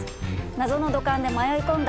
謎の土管で迷い込んだ